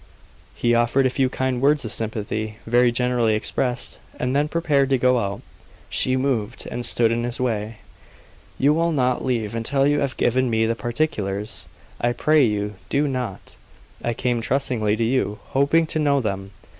He offered a few kind words of sympathy, very generally expressed, and then prepared to go out. She moved, and stood in his way. "You will not leave until you have given me the particulars! I pray you, do not! I came trustingly to you, hoping to know them."